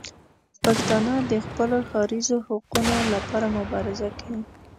پښتانه د خپلو ښاریزو حقونو لپاره مبارزه کوي.